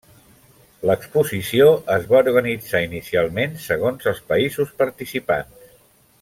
L'exposició es va organitzar inicialment segons els països participants.